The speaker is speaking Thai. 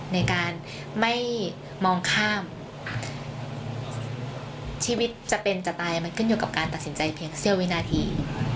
ในการไม่มองข้ามชีวิตจะเป็นจะตายมันขึ้นอยู่กับการตัดสินใจเพียงเสี้ยววินาที